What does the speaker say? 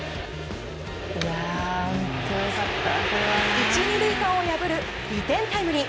１、２塁間を破る２点タイムリー！